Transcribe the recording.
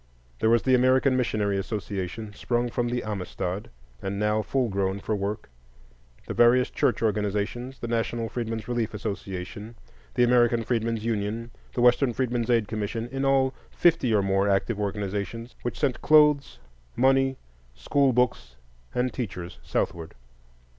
There was the American Missionary Association, sprung from the Amistad, and now full grown for work; the various church organizations, the National Freedmen's Relief Association, the American Freedmen's Union, the Western Freedmen's Aid Commission,—in all fifty or more active organizations, which sent clothes, money, school books, and teachers southward.